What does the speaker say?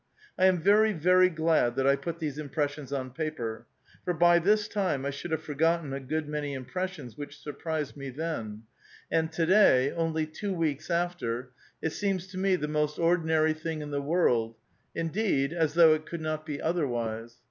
I am very, very glad that I put these impressions on paper, for by this time I should have forgotten a good many impressions which surjjrised me then; and to day, only two weeks after, it A VITAL QUESTION. 891 seems to me the most ordinary thing in the world, — indeed, as though it could not be otherwise.